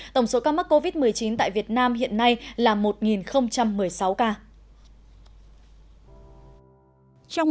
tổng số ca mắc covid một mươi chín tại việt nam hiện nay là một một mươi sáu ca